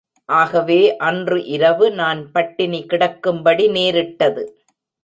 ஆகவே, அன்று இரவு நான் பட்டினி கிடக்கும்படி நேரிட்டது.